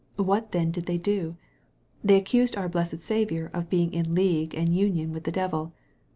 What then did they do ? They accused our blessed Saviour of being in league and union with the devil.